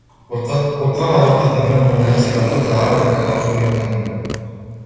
والقمر قدرناه منازل حتى عاد كالعرجون القديم